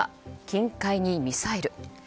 近海にミサイル。